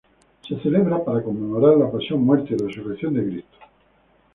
Se celebra para conmemorar la pasión, muerte y Resurrección de Jesucristo.